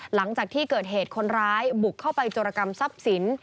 หลังจากที่เกิดเหตุคนร้ายบุกเข้าไปโจรกรรมทรัพย์สิน